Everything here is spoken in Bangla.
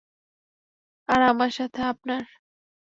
আর আমার সাথে আপনার।